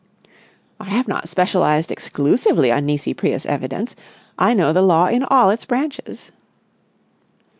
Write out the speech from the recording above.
"I have not specialised exclusively on Nisi Prius Evidence. I know the law in all its branches."